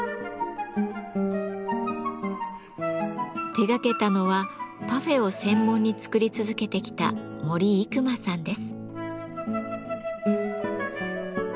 手がけたのはパフェを専門に作り続けてきた森郁磨さんです。